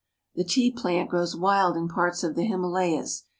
The tea plant grows wild in parts of the Himalayas.